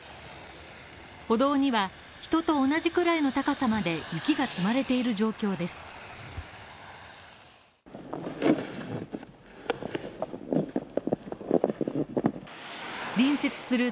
歩道には人と同じくらいの高さまで雪が積まれている状況です。